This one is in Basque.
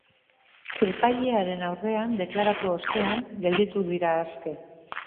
Epailearen aurrean deklaratu ostean gelditu dira aske.